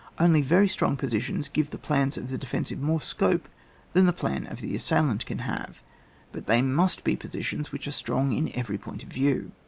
Only very strong positions give the plans of the defensive more scope than the plan of the assailant can have, hut they must be positions which are strong in every point of view.